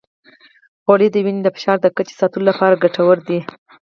غوړې د وینې د فشار د کچې ساتلو لپاره ګټورې دي.